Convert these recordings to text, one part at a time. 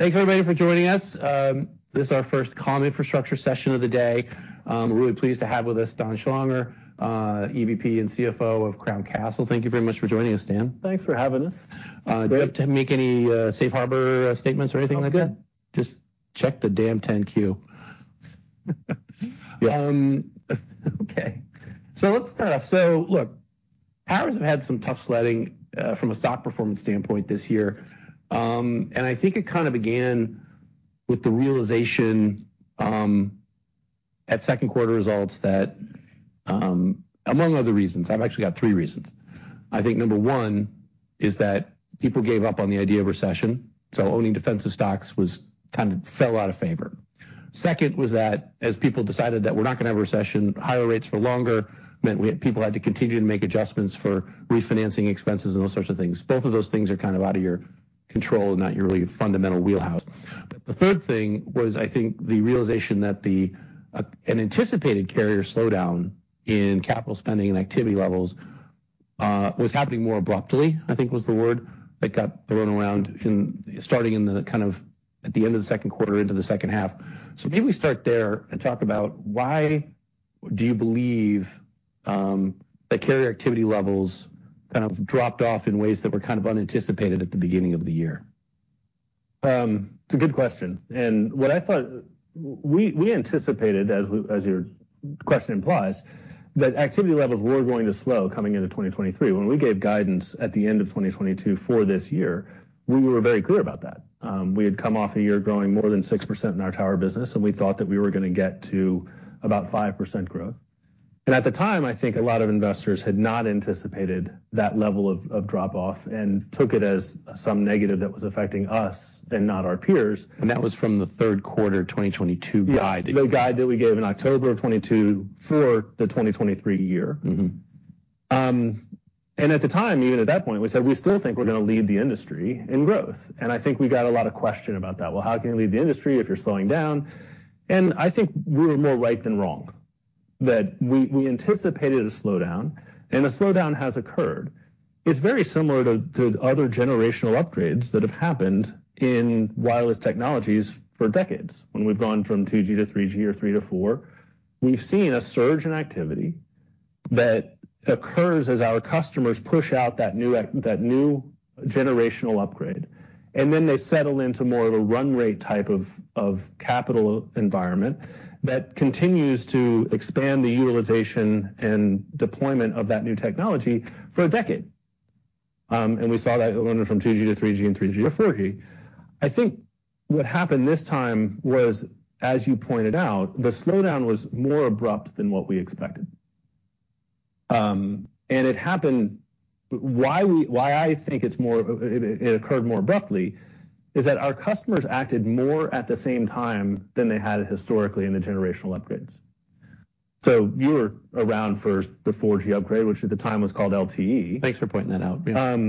Thanks, everybody, for joining us. This is our First Comm. Infrastructure session of the day. We're really pleased to have with us Dan Schlanger, EVP and CFO of Crown Castle. Thank you very much for joining us, Dan. Thanks for having us. Do you have to make any safe harbor statements or anything like that? Just check the damn 10-Q. Okay. So let's start off. So look, towers have had some tough sledding from a stock performance standpoint this year. I think it kind of began with the realization at second quarter results that, among other reasons, I've actually got three reasons. I think number one is that people gave up on the idea of recession, so owning defensive stocks was kind of fell out of favor. Second was that as people decided that we're not gonna have a recession, higher rates for longer meant people had to continue to make adjustments for refinancing expenses and those sorts of things. Both of those things are kind of out of your control and not your really fundamental wheelhouse. But the third thing was, I think, the realization that the anticipated carrier slowdown in capital spending and activity levels was happening more abruptly, I think was the word that got thrown around starting in the kind of at the end of the second quarter into the second half. So maybe we start there and talk about why do you believe that carrier activity levels kind of dropped off in ways that were kind of unanticipated at the beginning of the year? It's a good question, and what I thought we anticipated, as your question implies, that activity levels were going to slow coming into 2023. When we gave guidance at the end of 2022 for this year, we were very clear about that. We had come off a year growing more than 6% in our tower business, and we thought that we were gonna get to about 5% growth. At the time, I think a lot of investors had not anticipated that level of drop-off and took it as some negative that was affecting us and not our peers. That was from the third quarter of 2022 guide. Yeah, the guide that we gave in October of 2022 for the 2023 year. Mm-hmm. At the time, even at that point, we said, "We still think we're gonna lead the industry in growth." I think we got a lot of questions about that. "Well, how can you lead the industry if you're slowing down?" I think we were more right than wrong, that we anticipated a slowdown, and a slowdown has occurred. It's very similar to other generational upgrades that have happened in wireless technologies for decades. When we've gone from 2G to 3G or 3G to 4G, we've seen a surge in activity that occurs as our customers push out that new generational upgrade, and then they settle into more of a run rate type of capital environment that continues to expand the utilization and deployment of that new technology for a decade. We saw that going from 2G to 3G and 3G to 4G. I think what happened this time was, as you pointed out, the slowdown was more abrupt than what we expected. It occurred more abruptly is that our customers acted more at the same time than they had historically in the generational upgrades. So you were around for the 4G upgrade, which at the time was called LTE. Thanks for pointing that out, yeah.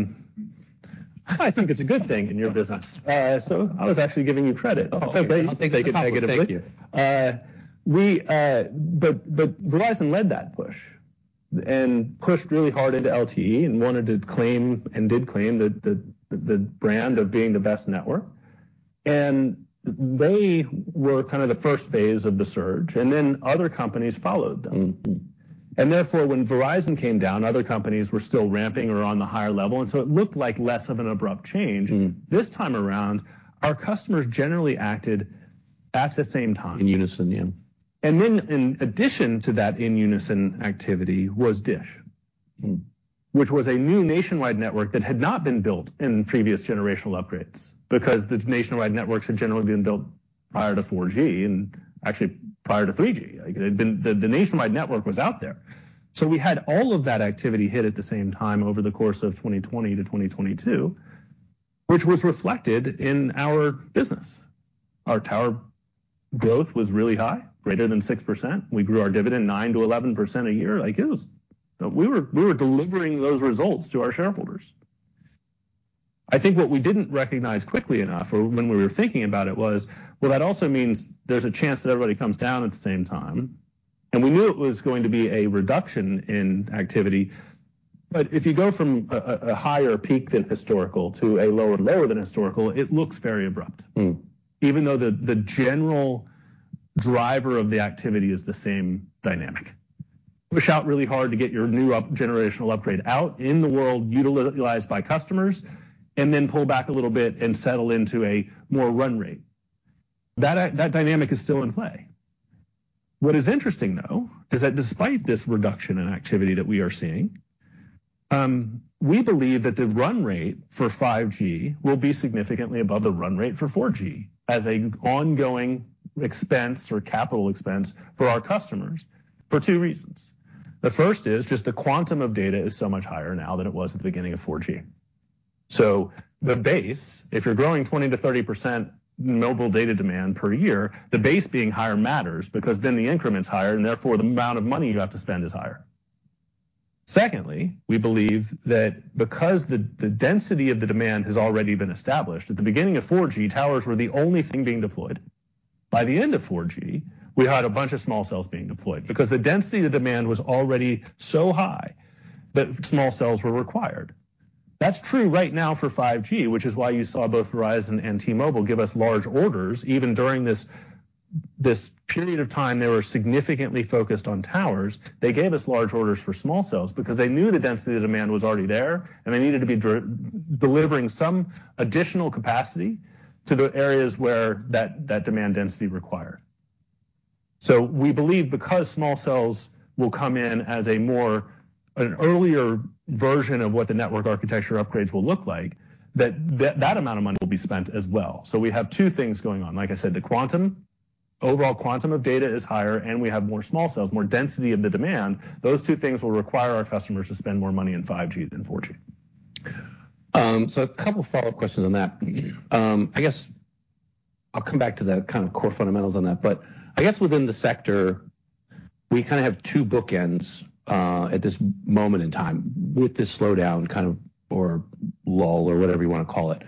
I think it's a good thing in your business. I was actually giving you credit. Oh, I'll take it positively. Thank you. But Verizon led that push and pushed really hard into LTE and wanted to claim, and did claim, the brand of being the best network. They were kind of the first phase of the surge, and then other companies followed them. Mm-hmm. Therefore, when Verizon came down, other companies were still ramping or on the higher level, and so it looked like less of an abrupt change. Mm. This time around, our customers generally acted at the same time. In unison, yeah. Then in addition to that, in unison activity was DISH- Mm. which was a new nationwide network that had not been built in previous generational upgrades. Because the nationwide networks had generally been built prior to 4G, and actually prior to 3G. Like, it had been the nationwide network was out there. So we had all of that activity hit at the same time over the course of 2020 to 2022, which was reflected in our business. Our tower growth was really high, greater than 6%. We grew our dividend 9%-11% a year. Like, it was. We were delivering those results to our shareholders. I think what we didn't recognize quickly enough or when we were thinking about it, was, well, that also means there's a chance that everybody comes down at the same time, and we knew it was going to be a reduction in activity. But if you go from a higher peak than historical to a lower than historical, it looks very abrupt. Mm. Even though the general driver of the activity is the same dynamic. Push out really hard to get your new next-generational upgrade out in the world, utilized by customers, and then pull back a little bit and settle into a more run rate. That dynamic is still in play. What is interesting, though, is that despite this reduction in activity that we are seeing, we believe that the run rate for 5G will be significantly above the run rate for 4G as an ongoing expense or capital expense for our customers, for two reasons. The first is just the quantum of data is so much higher now than it was at the beginning of 4G. So the base, if you're growing 20%-30% mobile data demand per year, the base being higher matters because then the increment's higher, and therefore, the amount of money you have to spend is higher. Secondly, we believe that because the density of the demand has already been established, at the beginning of 4G, towers were the only thing being deployed. By the end of 4G, we had a bunch of small cells being deployed, because the density of the demand was already so high that small cells were required. That's true right now for 5G, which is why you saw both Verizon and T-Mobile give us large orders, even during this period of time, they were significantly focused on towers. They gave us large orders for small cells because they knew the density of the demand was already there, and they needed to be delivering some additional capacity to the areas where that demand density required. So we believe, because small cells will come in as a more, an earlier version of what the network architecture upgrades will look like, that amount of money will be spent as well. So we have two things going on. Like I said, the quantum, overall quantum of data is higher, and we have more small cells, more density of the demand. Those two things will require our customers to spend more money in 5G than 4G. So a couple follow-up questions on that. I guess I'll come back to the kind of core fundamentals on that, but I guess within the sector, we kind of have two bookends at this moment in time with this slowdown, kind of, or lull, or whatever you want to call it.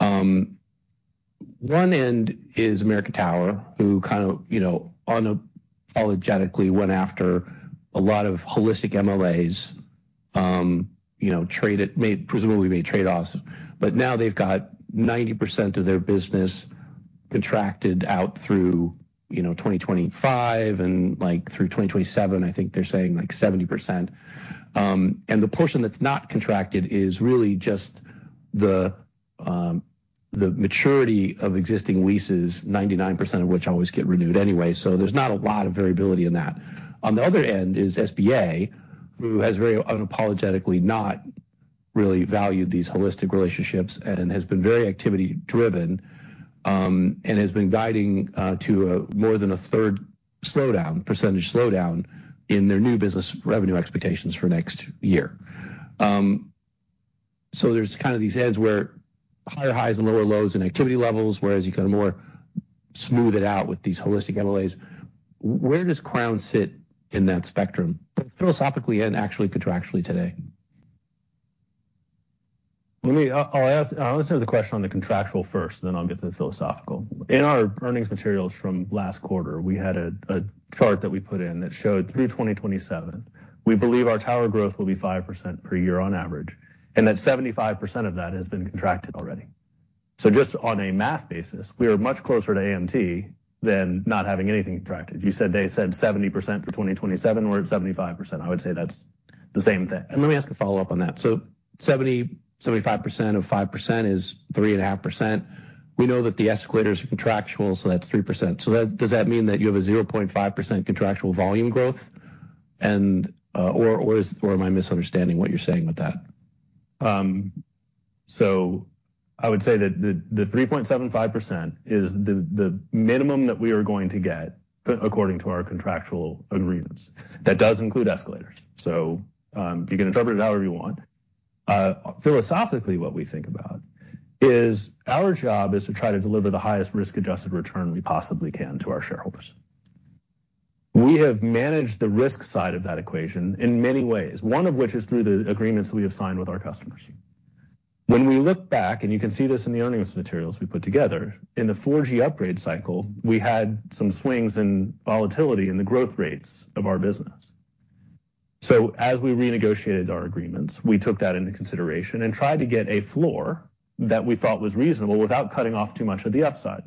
One end is American Tower, who kind of, you know, unapologetically went after a lot of holistic MLAs, you know, presumably made trade-offs, but now they've got 90% of their business contracted out through, you know, 2025, and, like, through 2027, I think they're saying, like, 70%. And the portion that's not contracted is really just the maturity of existing leases, 99% of which always get renewed anyway, so there's not a lot of variability in that. On the other end is SBA, who has very unapologetically not really valued these holistic relationships and has been very activity-driven, and has been guiding to more than a third slowdown, percentage slowdown in their new business revenue expectations for next year. So there's kind of these heads where higher highs and lower lows in activity levels, whereas you kind of more smooth it out with these holistic MLAs. Where does Crown sit in that spectrum, both philosophically and actually, contractually today? Let me answer the question on the contractual first, and then I'll get to the philosophical. In our earnings materials from last quarter, we had a chart that we put in that showed through 2027, we believe our tower growth will be 5% per year on average, and that 75% of that has been contracted already. So just on a math basis, we are much closer to AMT than not having anything contracted. You said they said 70% for 2027, we're at 75%. I would say that's the same thing. Let me ask a follow-up on that. So 70%-75% of 5% is 3.5%. We know that the escalators are contractual, so that's 3%. So that does that mean that you have a 0.5% contractual volume growth and, or am I misunderstanding what you're saying with that? So I would say that the 3.75% is the minimum that we are going to get, according to our contractual agreements. That does include escalators, so you can interpret it however you want. Philosophically, what we think about is our job is to try to deliver the highest risk-adjusted return we possibly can to our shareholders. We have managed the risk side of that equation in many ways, one of which is through the agreements we have signed with our customers. When we look back, and you can see this in the earnings materials we put together, in the 4G upgrade cycle, we had some swings and volatility in the growth rates of our business. So as we renegotiated our agreements, we took that into consideration and tried to get a floor that we thought was reasonable without cutting off too much of the upside.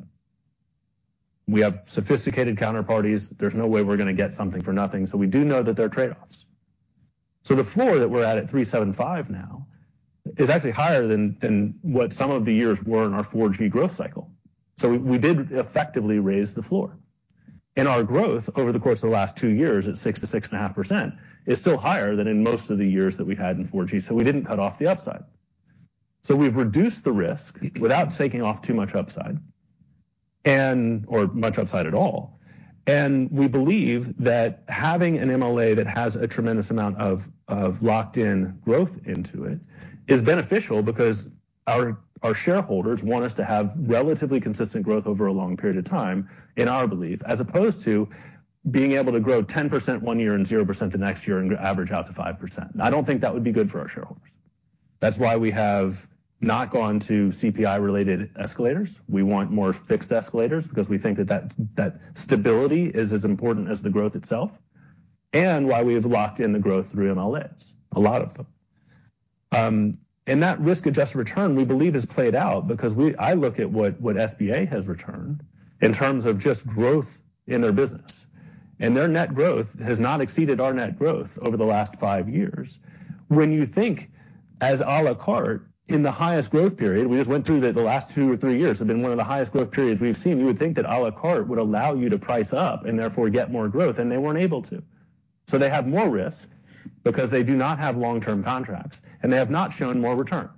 We have sophisticated counterparties. There's no way we're going to get something for nothing, so we do know that there are trade-offs. So the floor that we're at in 3.75% now is actually higher than what some of the years were in our 4G growth cycle. So we did effectively raise the floor. Our growth over the course of the last two years at 6%-6.5% is still higher than in most of the years that we had in 4G. So we didn't cut off the upside. So we've reduced the risk without taking off too much upside or much upside at all. We believe that having an MLA that has a tremendous amount of locked-in growth into it is beneficial because our shareholders want us to have relatively consistent growth over a long period of time, in our belief, as opposed to being able to grow 10% one year and 0% the next year and average out to 5%. I don't think that would be good for our shareholders. That's why we have not gone to CPI-related escalators. We want more fixed escalators because we think that stability is as important as the growth itself and why we have locked in the growth through MLAs, a lot of them. And that risk-adjusted return, we believe, has played out because we—I look at what SBA has returned in terms of just growth in their business, and their net growth has not exceeded our net growth over the last five years. When you think a la carte, in the highest growth period, we just went through the last two or three years have been one of the highest growth periods we've seen. You would think that a la carte would allow you to price up and therefore get more growth, and they weren't able to. So they have more risk because they do not have long-term contracts, and they have not shown more return.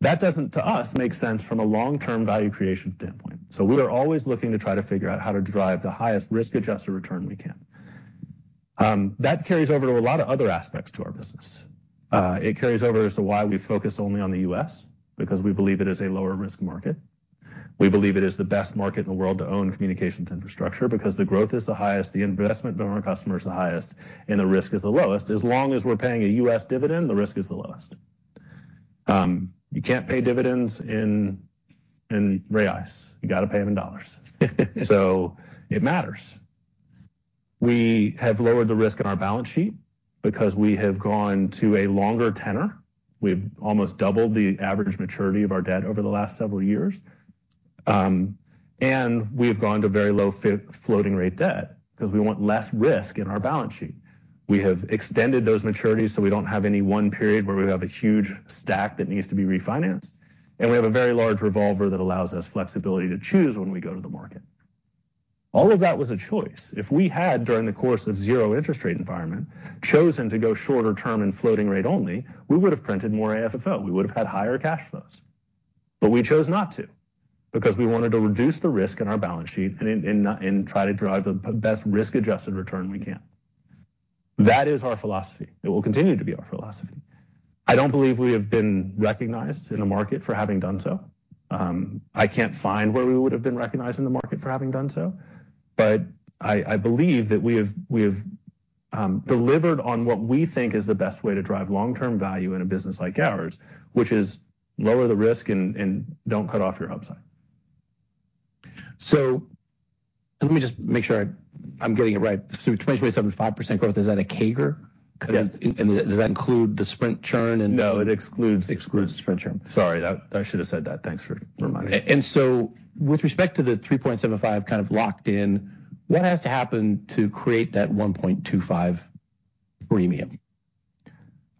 That doesn't, to us, make sense from a long-term value creation standpoint. So we are always looking to try to figure out how to drive the highest risk-adjusted return we can. That carries over to a lot of other aspects to our business. It carries over as to why we focus only on the U.S., because we believe it is a lower-risk market. We believe it is the best market in the world to own communications infrastructure because the growth is the highest, the investment from our customer is the highest, and the risk is the lowest. As long as we're paying a U.S. dividend, the risk is the lowest. You can't pay dividends in REITs. You gotta pay them in dollars. So it matters. We have lowered the risk in our balance sheet because we have gone to a longer tenor. We've almost doubled the average maturity of our debt over the last several years. We've gone to very low floating rate debt because we want less risk in our balance sheet. We have extended those maturities, so we don't have any one period where we have a huge stack that needs to be refinanced, and we have a very large revolver that allows us flexibility to choose when we go to the market. All of that was a choice. If we had, during the course of zero interest rate environment, chosen to go shorter term and floating rate only, we would have printed more AFFO. We would have had higher cash flows. But we chose not to because we wanted to reduce the risk in our balance sheet and try to drive the best risk-adjusted return we can. That is our philosophy. It will continue to be our philosophy. I don't believe we have been recognized in the market for having done so. I can't find where we would've been recognized in the market for having done so, but I believe that we have delivered on what we think is the best way to drive long-term value in a business like ours, which is lower the risk and don't cut off your upside. Let me just make sure I'm getting it right. So 3.75% growth, is that a CAGR? Yes. Does that include the Sprint churn and- No, it excludes- Excludes the Sprint churn. Sorry, I should have said that. Thanks for reminding me. So with respect to the 3.75 kind of locked in, what has to happen to create that 1.25 premium?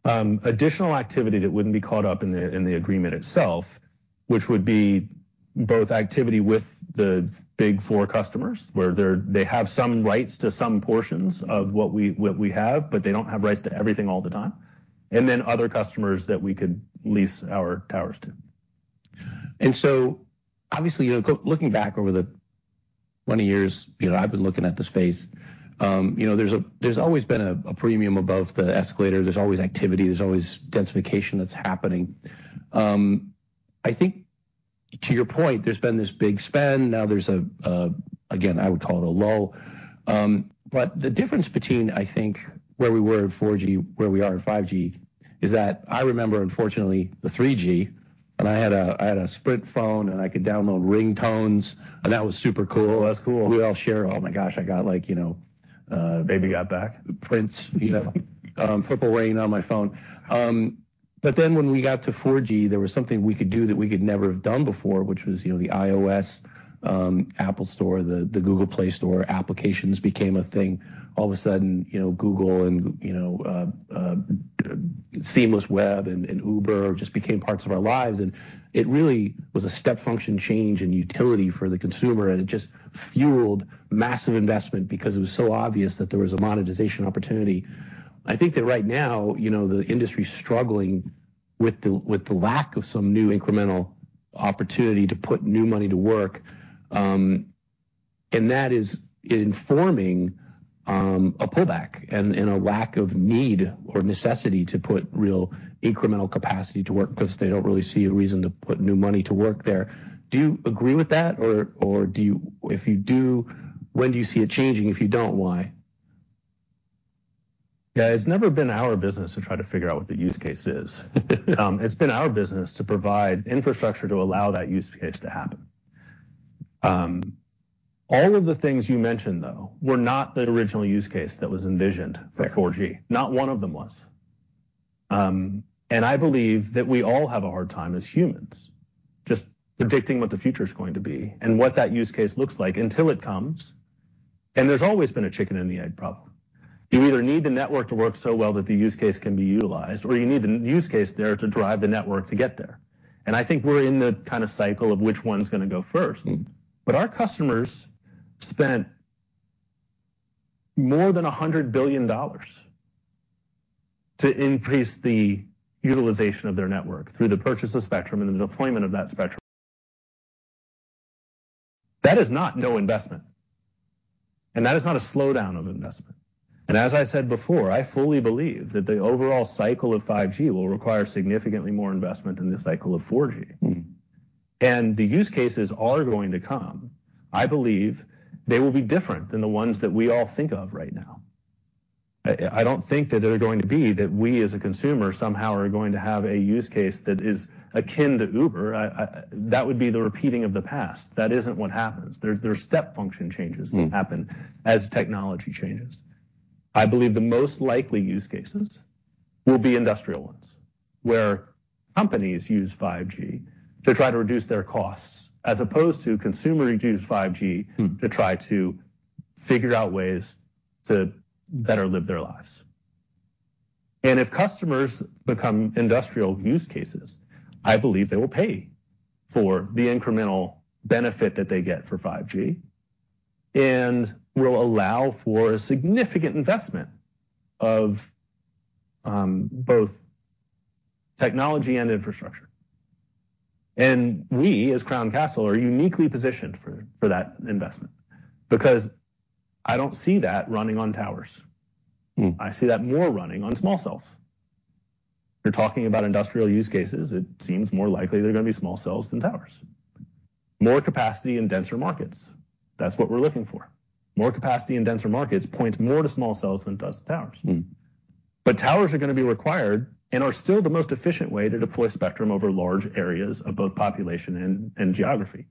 Additional activity that wouldn't be caught up in the agreement itself, which would be both activity with the big four customers, where they have some rights to some portions of what we have, but they don't have rights to everything all the time, and then other customers that we could lease our towers to. And so, obviously, you know, looking back over the many years, you know, I've been looking at the space, you know, there's always been a premium above the escalator. There's always activity. There's always densification that's happening. I think to your point, there's been this big spend. Now there's a lull again, I would call it a lull. But the difference between, I think, where we were in 4G, where we are in 5G, is that I remember, unfortunately, the 3G, and I had a Sprint phone, and I could download ringtones, and that was super cool. That's cool. We'd all share, "Oh, my gosh, I got, like, you know,"... Baby Got Back? Prince, Purple Rain on my phone. But then when we got to 4G, there was something we could do that we could never have done before, which was, you know, the iOS, Apple Store, the Google Play Store, applications became a thing. All of a sudden, you know, Google and, you know, Seamless Web and Uber just became parts of our lives, and it really was a step function change in utility for the consumer, and it just fueled massive investment because it was so obvious that there was a monetization opportunity. I think that right now, you know, the industry's struggling with the lack of some new incremental opportunity to put new money to work. That is informing a pullback and a lack of need or necessity to put real incremental capacity to work because they don't really see a reason to put new money to work there. Do you agree with that, or do you. If you do, when do you see it changing? If you don't, why? Yeah. It's never been our business to try to figure out what the use case is. It's been our business to provide infrastructure to allow that use case to happen. All of the things you mentioned, though, were not the original use case that was envisioned- Right - for 4G. Not one of them was. I believe that we all have a hard time as humans just predicting what the future is going to be and what that use case looks like until it comes, and there's always been a chicken and the egg problem. You either need the network to work so well that the use case can be utilized, or you need the use case there to drive the network to get there. I think we're in the kind of cycle of which one's gonna go first. Mm. But our customers spent more than $100 billion to increase the utilization of their network through the purchase of spectrum and the deployment of that spectrum. That is not no investment, and that is not a slowdown of investment. As I said before, I fully believe that the overall cycle of 5G will require significantly more investment than the cycle of 4G. Mm. The use cases are going to come. I believe they will be different than the ones that we all think of right now. I don't think that they're going to be, that we, as a consumer, somehow are going to have a use case that is akin to Uber. That would be the repeating of the past. That isn't what happens. There are step function changes- Mm that happen as technology changes. I believe the most likely use cases will be industrial ones, where companies use 5G to try to reduce their costs, as opposed to consumers use 5G- Mm To try to figure out ways to better live their lives. If customers become industrial use cases, I believe they will pay for the incremental benefit that they get for 5G and will allow for a significant investment of both technology and infrastructure. We, as Crown Castle, are uniquely positioned for that investment because I don't see that running on towers. Mm. I see that more running on small cells. You're talking about industrial use cases, it seems more likely they're gonna be small cells than towers. More capacity and denser markets, that's what we're looking for. More capacity and denser markets points more to small cells than it does to towers. Mm. But towers are gonna be required and are still the most efficient way to deploy spectrum over large areas of both population and geography.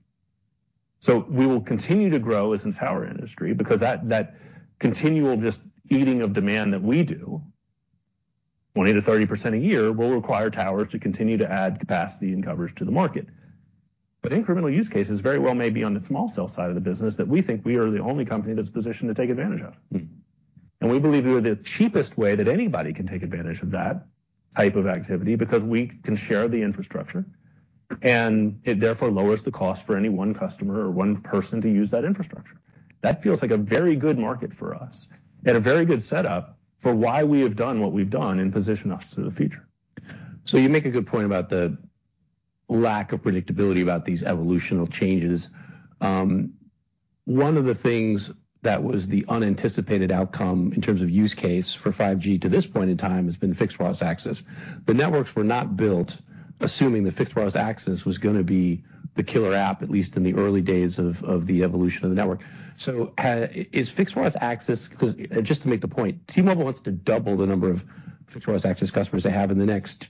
So we will continue to grow as a tower industry because that continual just eating of demand that we do, 20%-30% a year, will require towers to continue to add capacity and coverage to the market. But incremental use cases very well may be on the small cell side of the business that we think we are the only company that's positioned to take advantage of. Mm. We believe we are the cheapest way that anybody can take advantage of that type of activity, because we can share the infrastructure, and it therefore lowers the cost for any one customer or one person to use that infrastructure. That feels like a very good market for us and a very good setup for why we have done what we've done and position us to the future. So you make a good point about the lack of predictability about these evolutional changes. One of the things that was the unanticipated outcome in terms of use case for 5G to this point in time, has been fixed wireless access. The networks were not built assuming the fixed wireless access was gonna be the killer app, at least in the early days of the evolution of the network. So, is fixed wireless access, 'cause just to make the point, T-Mobile wants to double the number of fixed wireless access customers they have in the next,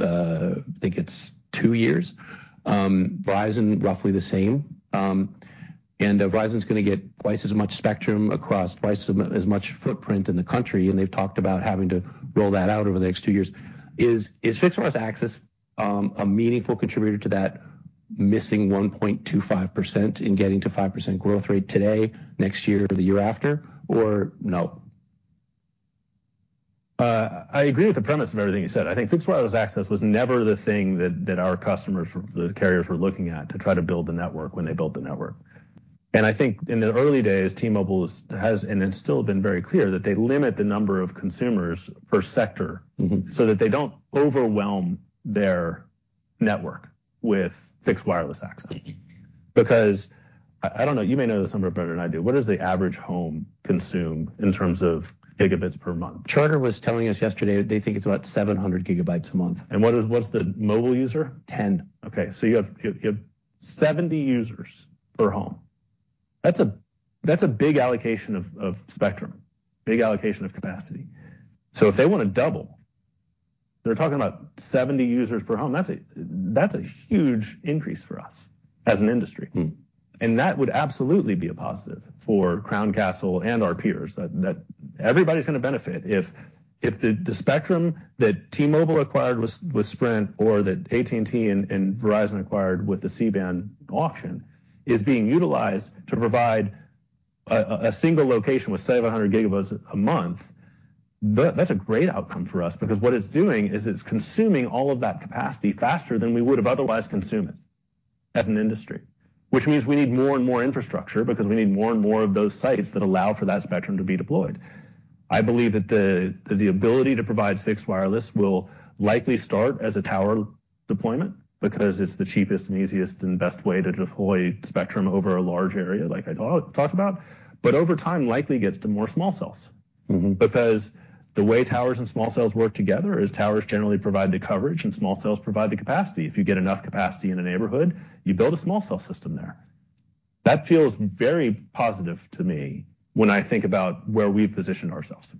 I think it's two years. Verizon, roughly the same. And Verizon's gonna get twice as much spectrum across twice as much footprint in the country, and they've talked about having to roll that out over the next two years. Is fixed wireless access a meaningful contributor to that missing 1.25% in getting to 5% growth rate today, next year, or the year after, or no? I agree with the premise of everything you said. I think fixed wireless access was never the thing that, that our customers, the carriers, were looking at to try to build the network when they built the network. I think in the early days, T-Mobile has, and it's still been very clear, that they limit the number of consumers per sector- Mm-hmm. so that they don't overwhelm their network with fixed wireless access. Because I, I don't know, you may know this number better than I do, what does the average home consume in terms of gigabits per month? Charter was telling us yesterday that they think it's about 700 GB a month. What's the mobile user? Ten. Okay, so you have 70 users per home. That's a big allocation of spectrum, big allocation of capacity. So if they want to double, they're talking about 70 users per home. That's a huge increase for us as an industry. Mm. That would absolutely be a positive for Crown Castle and our peers. That everybody's gonna benefit if the spectrum that T-Mobile acquired with Sprint or that AT&T and Verizon acquired with the C-Band auction is being utilized to provide a single location with 700 GB a month. That's a great outcome for us, because what it's doing is it's consuming all of that capacity faster than we would have otherwise consume it as an industry. Which means we need more and more infrastructure because we need more and more of those sites that allow for that spectrum to be deployed. I believe that the ability to provide fixed wireless will likely start as a tower deployment, because it's the cheapest and easiest and best way to deploy spectrum over a large area, like I talked about, but over time, likely gets to more small cells. Mm-hmm. Because the way towers and small cells work together is towers generally provide the coverage and small cells provide the capacity. If you get enough capacity in a neighborhood, you build a small cell system there. That feels very positive to me when I think about where we've positioned ourselves.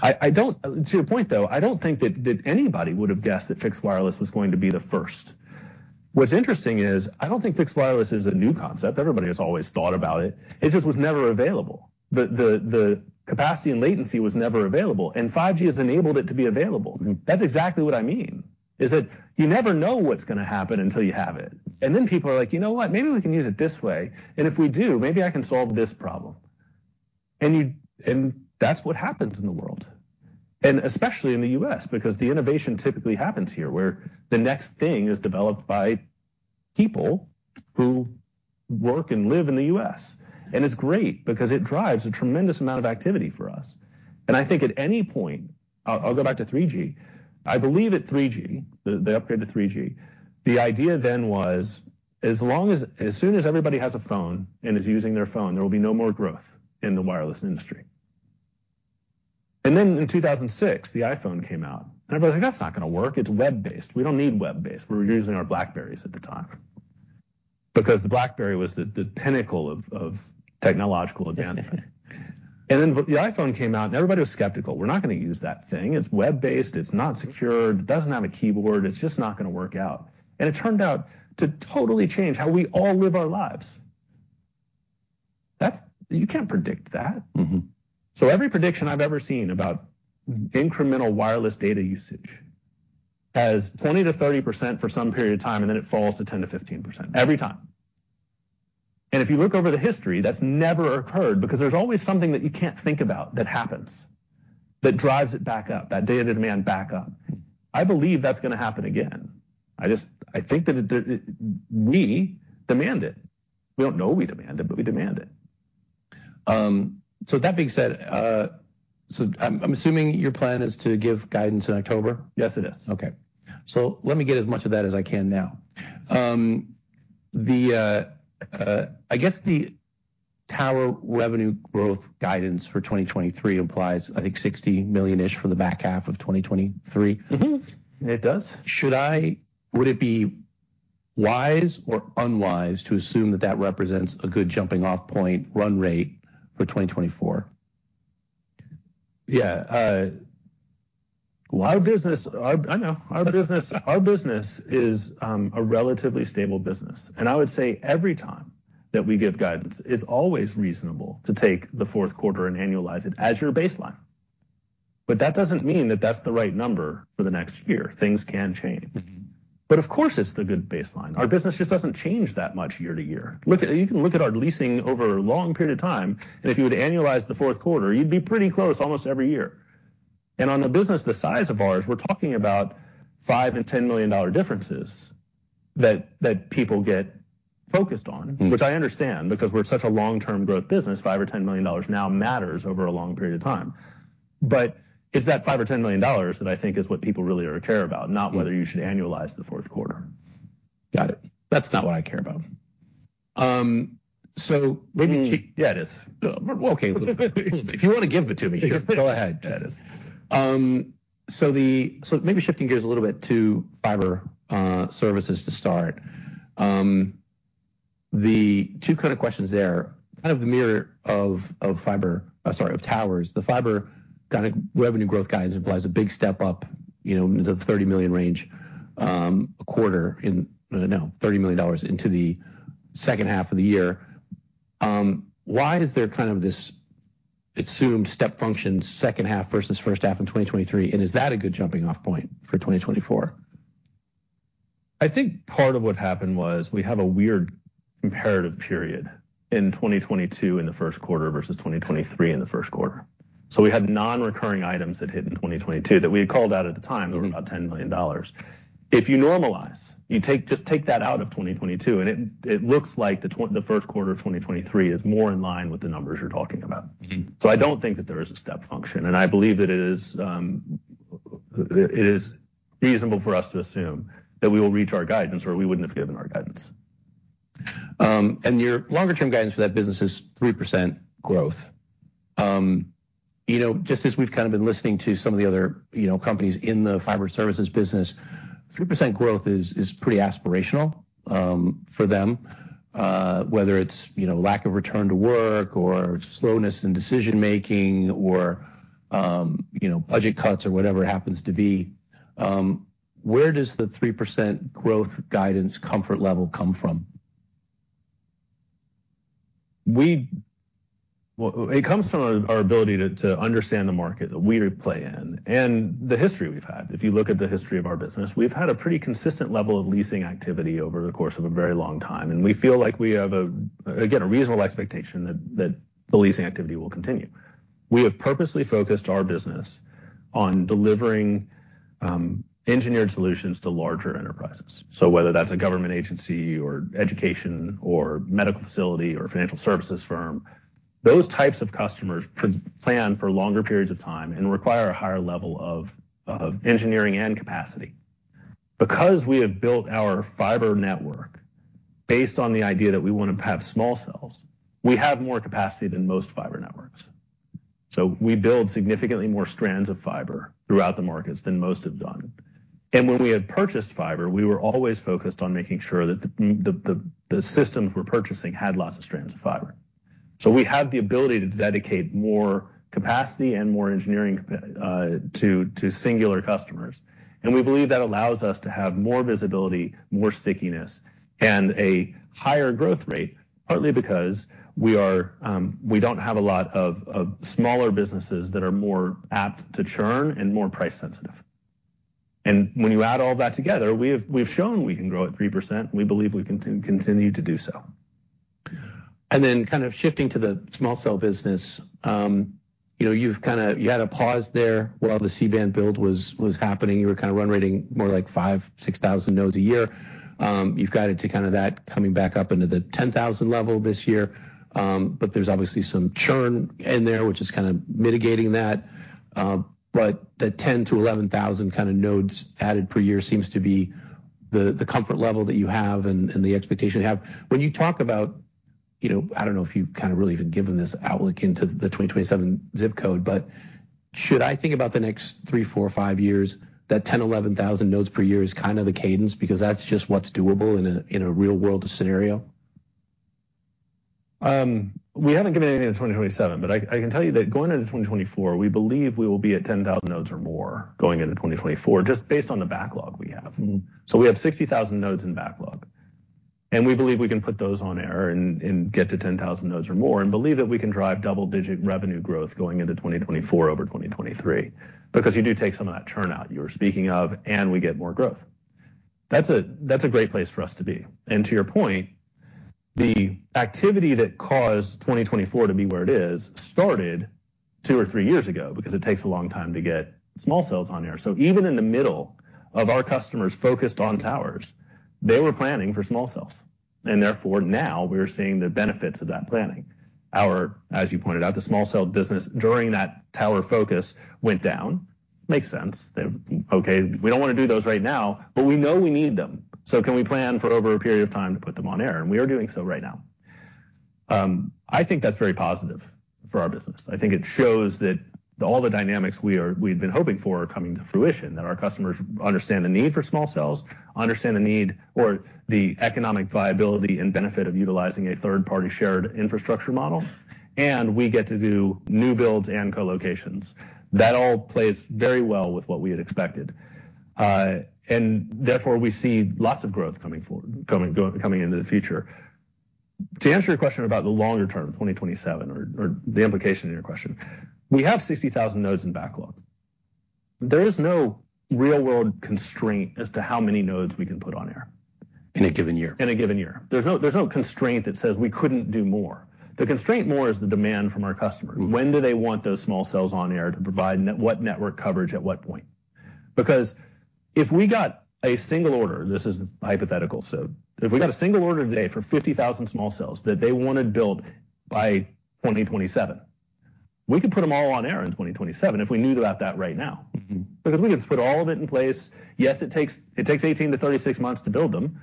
I don't. To your point, though, I don't think that anybody would have guessed that fixed wireless was going to be the first. What's interesting is, I don't think fixed wireless is a new concept. Everybody has always thought about it. It just was never available. The capacity and latency was never available, and 5G has enabled it to be available. Mm. That's exactly what I mean, is that you never know what's gonna happen until you have it. Then people are like: You know what? Maybe we can use it this way, and if we do, maybe I can solve this problem. That's what happens in the world, and especially in the U.S., because the innovation typically happens here, where the next thing is developed by people who work and live in the U.S. It's great because it drives a tremendous amount of activity for us. I think at any point. I'll go back to 3G. I believe at 3G, the upgrade to 3G, the idea then was, as long as, as soon as everybody has a phone and is using their phone, there will be no more growth in the wireless industry. And then in 2006, the iPhone came out, and everybody's like: "That's not gonna work. It's web-based. We don't need web-based." We were using our BlackBerrys at the time, because the BlackBerry was the, the pinnacle of, of technological advancement. Then when the iPhone came out and everybody was skeptical: "We're not gonna use that thing. It's web-based. It's not secure. It doesn't have a keyboard. It's just not gonna work out." It turned out to totally change how we all live our lives. That's. You can't predict that. Mm-hmm. So every prediction I've ever seen about incremental wireless data usage has 20%-30% for some period of time, and then it falls to 10%-15%, every time. And if you look over the history, that's never occurred because there's always something that you can't think about that happens, that drives it back up, that data demand back up. I believe that's gonna happen again. I just, I think that we demand it. We don't know we demand it, but we demand it. So that being said, so I'm assuming your plan is to give guidance in October? Yes, it is. Okay. So let me get as much of that as I can now. I guess the tower revenue growth guidance for 2023 implies, I think, $60 million-ish for the back half of 2023. Mm-hmm, it does. Would it be wise or unwise to assume that that represents a good jumping off point run rate for 2024? Yeah, uh- Well- Our business is a relatively stable business, and I would say every time that we give guidance, it's always reasonable to take the fourth quarter and annualize it as your baseline. But that doesn't mean that that's the right number for the next year. Things can change. Mm-hmm. Of course, it's the good baseline. Our business just doesn't change that much year-to-year. You can look at our leasing over a long period of time, and if you were to annualize the fourth quarter, you'd be pretty close almost every year. On a business the size of ours, we're talking about $5 million and $10 million differences that people get focused on. Mm. Which I understand, because we're such a long-term growth business, $5 million or $10 million now matters over a long period of time. But it's that $5 million or $10 million that I think is what people really care about, not- Mm whether you should annualize the fourth quarter. Got it. That's not what I care about. So maybe- Mm. Yeah, it is. Well, okay, if you want to give it to me, go ahead. Yeah, it is. So maybe shifting gears a little bit to fiber services to start. The two kind of questions there, kind of the mirror of towers. The fiber kind of revenue growth guidance implies a big step up, you know, the $30 million range a quarter in the second half of the year. Why is there kind of this assumed step function, second half versus first half in 2023, and is that a good jumping off point for 2024? I think part of what happened was we have a weird comparative period in 2022 in the first quarter versus 2023 in the first quarter. So we had non-recurring items that hit in 2022, that we had called out at the time- Mm-hmm about $10 million. If you normalize, you take, just take that out of 2022, and it looks like the first quarter of 2023 is more in line with the numbers you're talking about. Mm-hmm. So I don't think that there is a step function, and I believe that it is reasonable for us to assume that we will reach our guidance, or we wouldn't have given our guidance. Your longer-term guidance for that business is 3% growth. You know, just as we've kind of been listening to some of the other, you know, companies in the fiber services business, 3% growth is, is pretty aspirational, for them, whether it's, you know, lack of return to work or slowness in decision-making or, you know, budget cuts or whatever it happens to be. Where does the 3% growth guidance comfort level come from? Well, it comes from our ability to understand the market that we play in and the history we've had. If you look at the history of our business, we've had a pretty consistent level of leasing activity over the course of a very long time, and we feel like we have, again, a reasonable expectation that the leasing activity will continue. We have purposely focused our business on delivering engineered solutions to larger enterprises. So whether that's a government agency or education or medical facility or financial services firm, those types of customers plan for longer periods of time and require a higher level of engineering and capacity. Because we have built our fiber network based on the idea that we want to have small cells, we have more capacity than most fiber networks. So we build significantly more strands of fiber throughout the markets than most have done. When we have purchased fiber, we were always focused on making sure that the systems we're purchasing had lots of strands of fiber. So we have the ability to dedicate more capacity and more engineering capacity to singular customers, and we believe that allows us to have more visibility, more stickiness, and a higher growth rate, partly because we are, we don't have a lot of smaller businesses that are more apt to churn and more price sensitive. When you add all that together, we've shown we can grow at 3%, and we believe we can continue to do so. And then kind of shifting to the small cell business. You know, you've kind of... You had a pause there while the C-Band build was happening. You were kind of run rating more like 5,000-6,000 nodes a year. You've got it to kind of that coming back up into the 10,000 level this year. But there's obviously some churn in there, which is kind of mitigating that. But the 10,000-11,000 kind of nodes added per year seems to be the comfort level that you have and the expectation you have. When you talk about, you know, I don't know if you've kind of really even given this outlook into the 2027 zip code, but should I think about the next three, four, or five years, that 10,000-11,000 nodes per year is kind of the cadence because that's just what's doable in a, in a real-world scenario? We haven't given anything in 2027, but I can tell you that going into 2024, we believe we will be at 10,000 nodes or more going into 2024, just based on the backlog we have. Mm-hmm. So we have 60,000 nodes in backlog, and we believe we can put those on air and, and get to 10,000 nodes or more and believe that we can drive double-digit revenue growth going into 2024 over 2023. Because you do take some of that churn out you were speaking of, and we get more growth. That's a, that's a great place for us to be. To your point, the activity that caused 2024 to be where it is started two or three years ago, because it takes a long time to get small cells on air. So even in the middle of our customers focused on towers, they were planning for small cells, and therefore, now we're seeing the benefits of that planning. Our... As you pointed out, the small cell business, during that tower focus, went down. Makes sense that, okay, we don't wanna do those right now, but we know we need them. So can we plan for over a period of time to put them on air? We are doing so right now. I think that's very positive for our business. I think it shows that all the dynamics we've been hoping for are coming to fruition, that our customers understand the need for small cells, understand the need or the economic viability and benefit of utilizing a third-party shared infrastructure model, and we get to do new builds and colocations. That all plays very well with what we had expected. Therefore, we see lots of growth coming forward, coming into the future. To answer your question about the longer term, 2027, or the implication in your question, we have 60,000 nodes in backlog. There is no real-world constraint as to how many nodes we can put on air. In a given year? In a given year. There's no, there's no constraint that says we couldn't do more. The constraint more is the demand from our customers. Mm-hmm. When do they want those small cells on air to provide what network coverage at what point? Because if we got a single order, this is hypothetical, so if we got a single order today for 50,000 small cells that they want to build by 2027, we could put them all on air in 2027 if we knew about that right now. Mm-hmm. Because we could just put all of it in place. Yes, it takes, it takes 18-36 months to build them,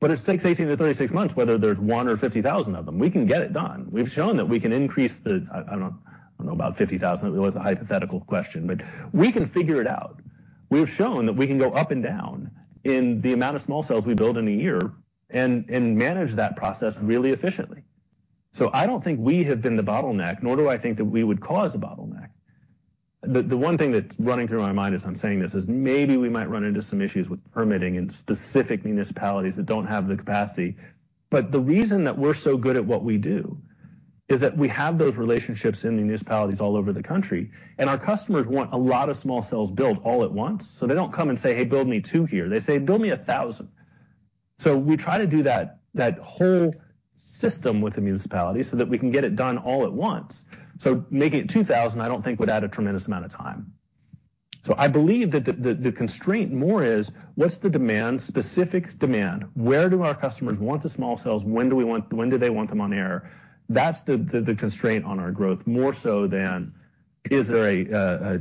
but it takes 18-36 months, whether there's one or 50,000 of them. We can get it done. We've shown that we can increase the... I, I don't, I don't know about 50,000. It was a hypothetical question, but we can figure it out. We've shown that we can go up and down in the amount of small cells we build in a year and, and manage that process really efficiently. So I don't think we have been the bottleneck, nor do I think that we would cause a bottleneck. But the one thing that's running through my mind as I'm saying this is maybe we might run into some issues with permitting in specific municipalities that don't have the capacity. But the reason that we're so good at what we do is that we have those relationships in municipalities all over the country, and our customers want a lot of small cells built all at once. So they don't come and say, "Hey, build me two here." They say, "Build me a thousand." So we try to do that, that whole system with the municipality so that we can get it done all at once. So making it 2,000, I don't think, would add a tremendous amount of time. So I believe that the constraint more is: what's the demand, specific demand? Where do our customers want the small cells? When do they want them on air? That's the constraint on our growth, more so than is there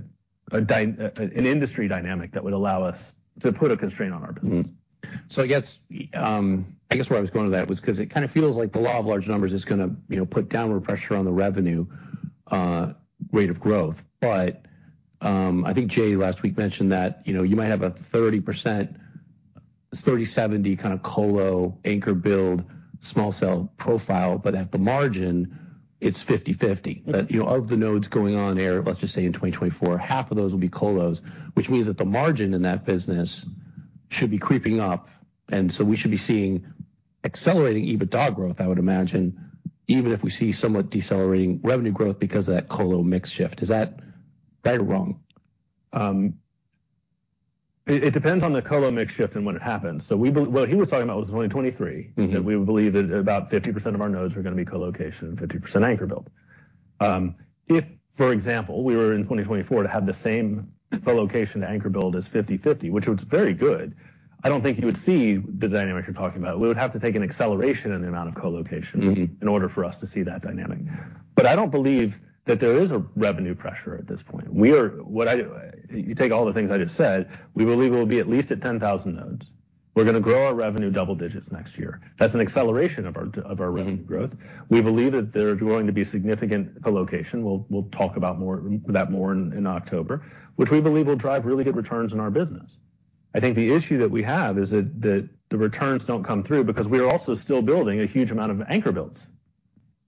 an industry dynamic that would allow us to put a constraint on our business. Mm-hmm. So I guess, I guess where I was going with that was because it kind of feels like the law of large numbers is gonna, you know, put downward pressure on the revenue rate of growth. But, I think Jay, last week, mentioned that, you know, you might have a 30%, 30-70 kind of colo anchor build, small cell profile, but at the margin, it's 50/50. Right. But, you know, of the nodes going on air, let's just say in 2024, half of those will be colos, which means that the margin in that business should be creeping up, and so we should be seeing accelerating EBITDA growth, I would imagine, even if we see somewhat decelerating revenue growth because of that colo mix shift. Is that right or wrong? It depends on the colo mix shift and when it happens. So we believe what he was talking about was 2023. Mm-hmm. That we believe that about 50% of our nodes were gonna be colocation and 50% anchor build. If, for example, we were in 2024 to have the same colocation to anchor build as 50/50, which was very good, I don't think you would see the dynamic you're talking about. We would have to take an acceleration in the amount of colocation- Mm-hmm... in order for us to see that dynamic. But I don't believe that there is a revenue pressure at this point. You take all the things I just said, we believe we'll be at least at 10,000 nodes. We're gonna grow our revenue double digits next year. That's an acceleration of our revenue growth. Mm-hmm. We believe that there's going to be significant colocation. We'll talk about that more in October, which we believe will drive really good returns in our business. I think the issue that we have is that the returns don't come through because we are also still building a huge amount of anchor builds.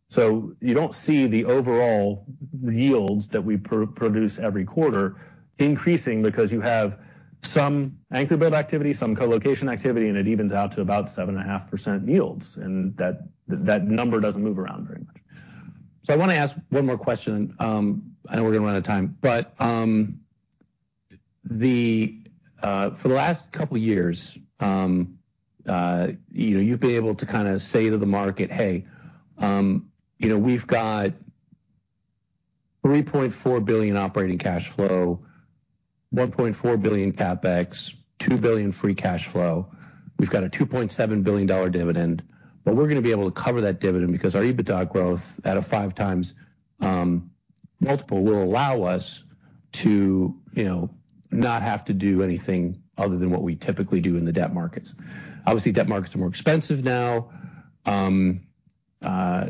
So you don't see the overall yields that we produce every quarter increasing because you have some anchor build activity, some colocation activity, and it evens out to about 7.5% yields, and that number doesn't move around very much. So I wanna ask one more question. I know we're gonna run out of time, but for the last couple years, you know, you've been able to kind of say to the market, "Hey, you know, we've got $3.4 billion operating cash flow, $1.4 billion CapEx, $2 billion free cash flow. We've got a $2.7 billion dividend, but we're gonna be able to cover that dividend because our EBITDA growth at a 5x multiple will allow us to, you know, not have to do anything other than what we typically do in the debt markets." Obviously, debt markets are more expensive now. You know,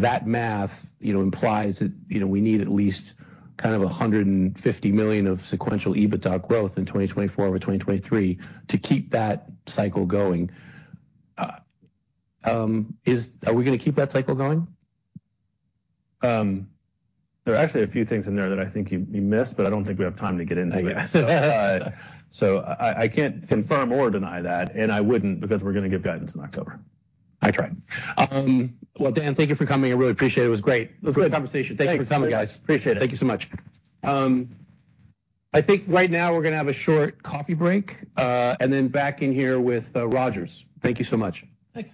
that math, you know, implies that, you know, we need at least kind of $150 million of sequential EBITDA growth in 2024 over 2023 to keep that cycle going. Are we gonna keep that cycle going? There are actually a few things in there that I think you missed, but I don't think we have time to get into it. I guess. So I can't confirm or deny that, and I wouldn't because we're gonna give guidance in October. I tried. Well, Dan, thank you for coming. I really appreciate it. It was great. It was great. Good conversation. Thank you. Thanks for coming, guys. Appreciate it. Thank you so much. I think right now we're gonna have a short coffee break, and then back in here with Rogers. Thank you so much. Thanks.